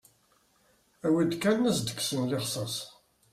Awi-d kan as-d-kksen lixsas.